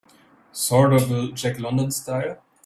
Sort of a Jack London style?